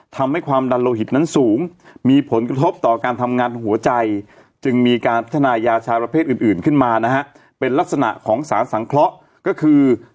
ทำให้ความดันโลหิตนั้นสูงมีผลกระทบต่อการทำงานหัวใจจึงมีการพัฒนายาชาประเภทอื่นขึ้นมานะฮะเป็นลักษณะของสารสังเคราะห์ก็คือ